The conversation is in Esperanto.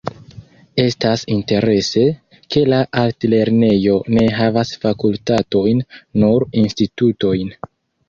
Estas interese, ke la altlernejo ne havas fakultatojn, nur institutojn.